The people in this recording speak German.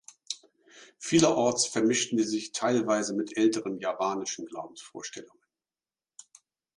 Vielerorts vermischten sie sich teilweise mit älteren javanischen Glaubensvorstellungen.